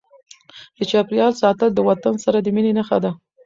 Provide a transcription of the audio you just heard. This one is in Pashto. د چاپیریال ساتل د وطن سره د مینې نښه ده.